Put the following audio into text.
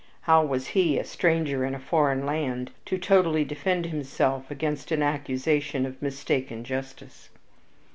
How was he, a stranger in a foreign land, to totally defend himself against an accusation of mistaken justice?